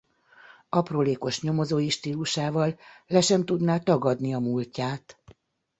Aprólékos nyomozói stílusával le sem tudná tagadni a múltját.